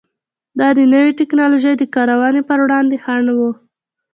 دا د نوې ټکنالوژۍ د کارونې پر وړاندې خنډ و.